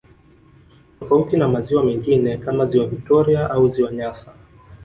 Tofauti na maziwa mengine kama ziwa victoria au ziwa nyasa